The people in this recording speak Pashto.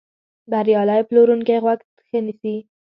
بریالی پلورونکی غوږ ښه نیسي.